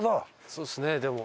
そうですねでも。